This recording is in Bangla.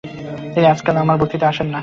তিনি আর আজকাল আমার বক্তৃতায় আসেন না।